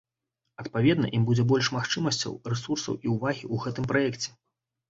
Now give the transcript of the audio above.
Адпаведна, ім будзе больш магчымасцяў, рэсурсаў і ўвагі ў гэтым праекце.